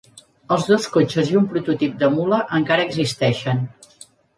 Els dos cotxes i un prototip de mula encara existeixen.